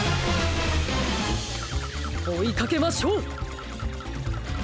おいかけましょう！